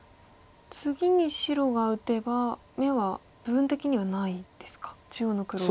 次に白が打てば眼は部分的にはないんですか中央の黒は。